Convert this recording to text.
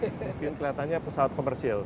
mungkin kelihatannya pesawat komersil